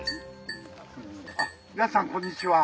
皆さんこんにちは。